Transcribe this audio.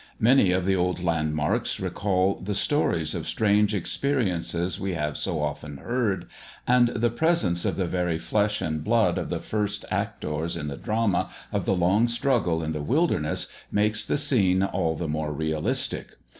Many of the old landmarks recall the stories of strange experiences we have so often heard, and the presence of the very flesh and blood of the first actors in the drama of the long struggle in the wilderness makes the scene all the more realistic.